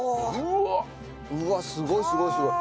うわっすごいすごいすごい。